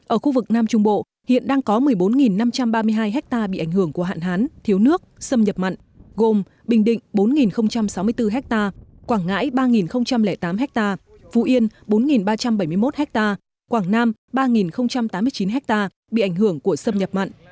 ở khu vực nam trung bộ hiện đang có một mươi bốn năm trăm ba mươi hai ha bị ảnh hưởng của hạn hán thiếu nước xâm nhập mặn gồm bình định bốn sáu mươi bốn ha quảng ngãi ba tám ha phú yên bốn ba trăm bảy mươi một ha quảng nam ba tám mươi chín ha bị ảnh hưởng của xâm nhập mặn